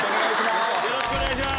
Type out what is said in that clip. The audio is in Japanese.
よろしくお願いします。